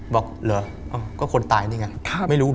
บอกเหรอก็คนตายนี่ไงไม่รู้เหรอ